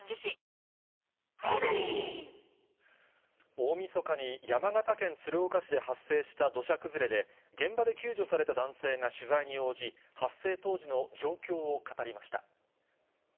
大みそかに山形県鶴岡市で発生した土砂崩れで、現場で救助された男性が取材に応じ、発生当時の状況を語りました。